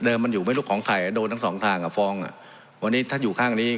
มันอยู่ไม่รู้ของใครอ่ะโดนทั้งสองทางอ่ะฟ้องอ่ะวันนี้ท่านอยู่ข้างนี้